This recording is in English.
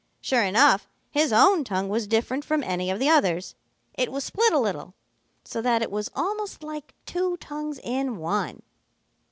Sure enough, his own tongue was different from any of the others. It was split a little, so that it was almost like two tongues in one.